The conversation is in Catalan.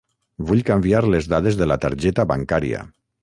Vull canviar les dades de la targeta bancària.